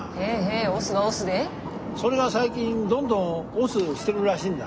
それが最近どんどん押忍してるらしいんだ。